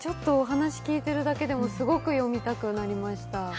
ちょっとお話を聞いてるだけでも、すごく読みたくなりました。